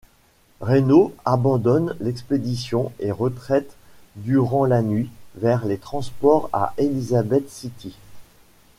Reno abandonne l'expédition et retraite durant la nuit vers les transports à Elizabeth City.